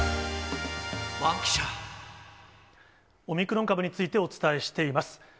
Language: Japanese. オミクロン株についてお伝えしています。